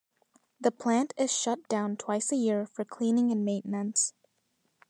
The plant is shut down twice a year for cleaning and maintenance.